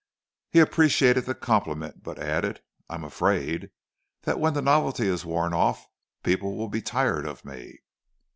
He appreciated the compliment, but added, "I'm afraid that when the novelty is worn off, people will be tired of me."